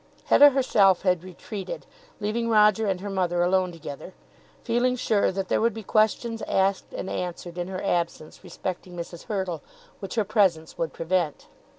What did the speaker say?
Hetta herself had retreated, leaving Roger and her mother alone together, feeling sure that there would be questions asked and answered in her absence respecting Mrs. Hurtle, which her presence would prevent.